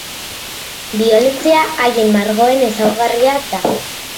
Biolentzia haien margoen ezaugarria da.